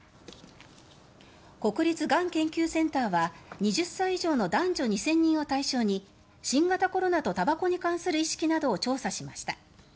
国立がん研究センターは２０歳以上の男女２０００人を対象に新型コロナとたばこに関する意識などを調査しました。